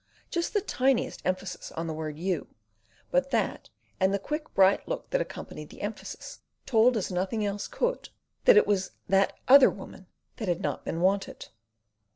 Just the tiniest emphasis on the word "you"; but that, and the quick, bright look that accompanied the emphasis, told, as nothing else could, that it was "that other woman" that had not been wanted.